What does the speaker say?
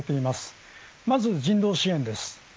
まず人道支援です。